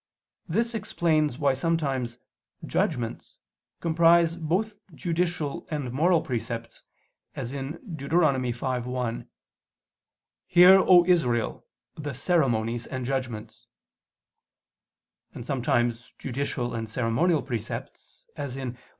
This explains why sometimes "judgments" comprise both judicial and moral precepts, as in Deut. 5:1: "Hear, O Israel, the ceremonies and judgments"; and sometimes judicial and ceremonial precepts, as in Lev.